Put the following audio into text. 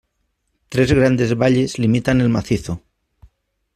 Tres grandes valles limitan el macizo.